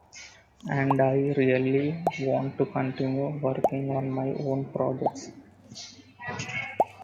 And I really want to continue working on my own projects.